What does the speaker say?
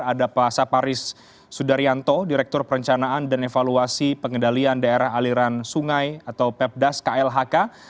ada pak saparis sudaryanto direktur perencanaan dan evaluasi pengendalian daerah aliran sungai atau pepdas klhk